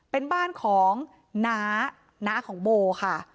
เป็นบ้านของน้าน้าของโบค่ะ